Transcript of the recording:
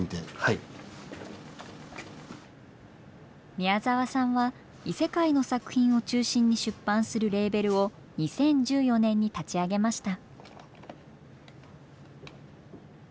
宮澤さんは異世界の作品を中心に出版するレーベルを２０１４年に立ち上げました。